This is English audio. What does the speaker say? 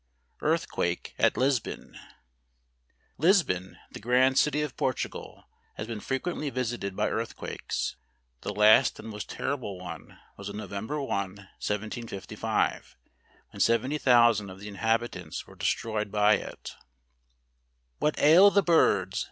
Earthquake at Lisbon. Lisbon, the grand city of Portugal, lias been frequently visited by earthquakes. The last and most terrible one, was on Nov. 1, 1755, when 70,000 of the inhabitants were destroyed by it. What ail the birds